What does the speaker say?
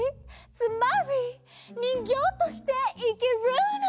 つまりにんぎょうとしていきるの！